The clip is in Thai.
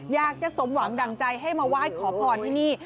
อยากจะสมหวังดั่งใจให้มาไหว้ขอพรที่นี่